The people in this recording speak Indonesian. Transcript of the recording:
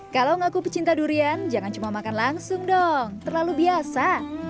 kalau ngaku pecinta durian jangan cuma makan langsung dong terlalu biasa